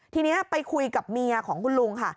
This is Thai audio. ทีนี้ไปคุยกับเมียของคุณลุงค่ะ